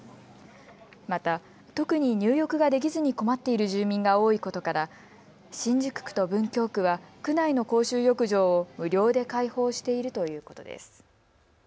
また、特に入浴ができずに困っている住民が多いことから新宿区と文京区は区内の公衆浴場を無料で開放しているということです。